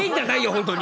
本当に！